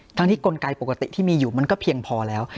ทั้งที่กลไกปกติที่มีอยู่มันก็เพียงพอแล้ว